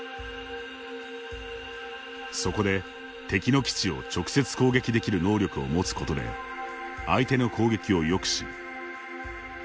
そこで敵の基地を直接攻撃できる能力を持つことで相手の攻撃を抑止。